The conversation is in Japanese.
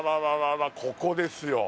ここですよ